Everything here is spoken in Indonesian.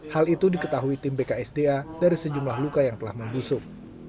hal itu diketahui tim bksda dari sejumlah luka yang telah membusuk